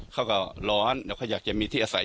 เขาก็ร้อนแล้วก็อยากจะมีที่อาศัย